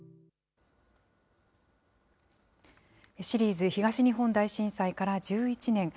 シリーズ・東日本大震災から１１年。